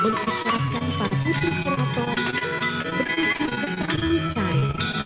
mengesahkan para putri terlalu berpikir bertanggung sayang